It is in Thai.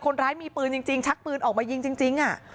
คนร้ายมีปืนจริงชักปืนออกมายิงจริง